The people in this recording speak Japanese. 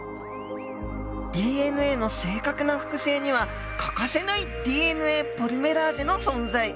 ＤＮＡの正確な複製には欠かせないＤＮＡポリメラーゼの存在。